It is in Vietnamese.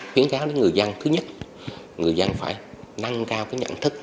khiến cáo đến người dân thứ nhất người dân phải năng cao cái nhận thức